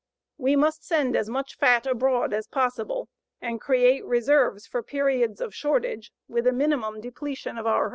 WE MUST SEND AS MUCH FAT ABROAD AS POSSIBLE, AND CREATE RESERVES FOR PERIODS OF SHORTAGE WITH A MINIMUM DEPLETION OF OUR HERDS.